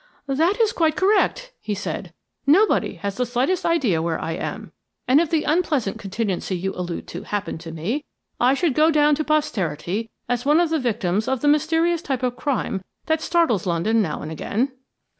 "That is quite correct," he said. "Nobody has the least idea where I am; and if the unpleasant contingency you allude to happened to me, I should go down to posterity as one of the victims of the mysterious type of crime that startles London now and again."